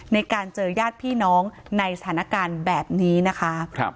ในการเจอญาติพี่น้องในสถานการณ์แบบนี้นะคะ